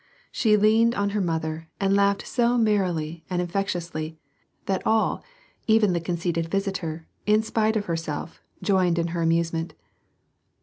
She leaned on her mother and laughed so merrily and infectiously, that all, even the conceited visitor, in spite of herself, joined in her amusement.